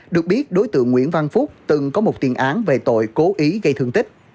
được biết đối tượng nguyễn văn phúc từng có một tiền án về tội cố ý gây thương tích